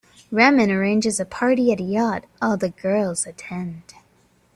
Rehman arranges a party at a yacht; all the girls attend.